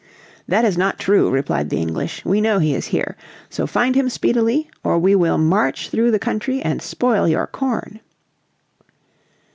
"That is not true," replied the English. "We know he is here. So find him speedily or we will march through the country and spoil your corn."